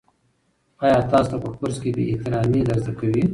آیا تاسو ته په کورس کې بې احترامي در زده کوي؟